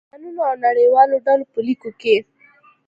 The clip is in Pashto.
د سازمانونو او نړیوالو ډلو په ليکو کې